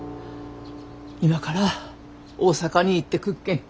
今から大阪に行ってくっけん。